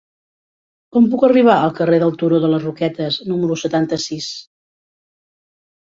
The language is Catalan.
Com puc arribar al carrer del Turó de les Roquetes número setanta-sis?